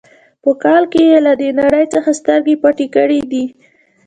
په کال کې یې له دې نړۍ څخه سترګې پټې کړې دي.